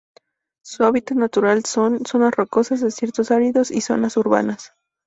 Su hábitat natural son: zonas rocosas, desiertos áridos y zonas urbanas.